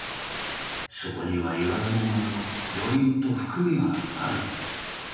そこには言わずもがなの余韻と含みがあるんだ。